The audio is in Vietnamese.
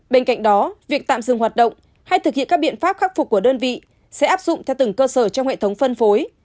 bên cạnh đó việc tạm dừng hoạt động hay thực hiện các biện pháp khắc phục của đơn vị sẽ áp dụng theo từng cơ sở trong hệ thống phân phối